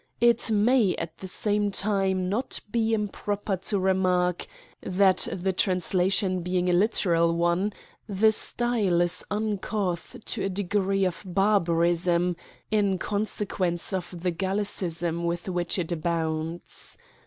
It may at the same time, not be improper to remark, thai the translation be ing a literal one, the style is uncouth to a degree of barbarism, in consequence of the gallicisms with w^hich it abounds.